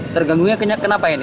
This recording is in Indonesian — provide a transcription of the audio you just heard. terganggu kenapa ini